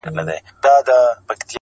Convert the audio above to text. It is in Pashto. راووزه جهاني په خلوتونو پوره نه سوه-